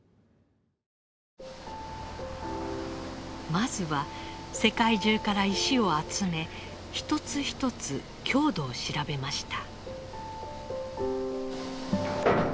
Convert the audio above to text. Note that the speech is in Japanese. まずは世界中から石を集め一つ一つ強度を調べました。